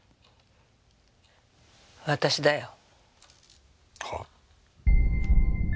私だよ。は？